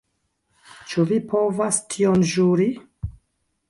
Ĉu vi povas tion ĵuri?